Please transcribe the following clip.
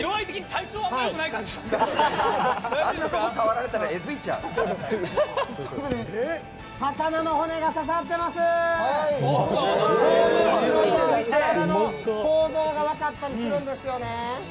体の構造が分かったりするんです。